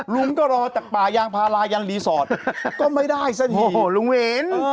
ลุงก็รอจากปรายางพาลายันวิทยาลุงวิน